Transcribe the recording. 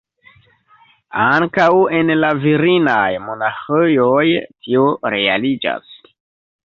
Ankaŭ en la virinaj monaĥejoj tio realiĝas.